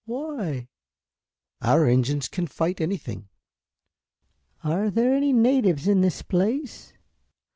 "Why?" "Our engines can fight anything." "Are there any natives in this place?"